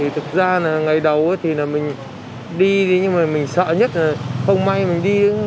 thực ra là ngày đầu thì là mình đi nhưng mà mình sợ nhất là không may mình đi